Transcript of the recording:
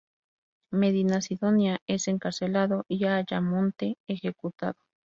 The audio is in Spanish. Medina-Sidonia es encarcelado y Ayamonte ejecutado.